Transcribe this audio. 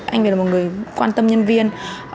anh việt là một người quan tâm nhân viên